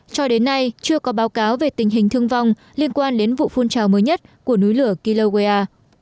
cho đến nay chưa có báo cáo về tình hình thương vong liên quan đến vụ phun trào mới nhất của núi lửa kilogia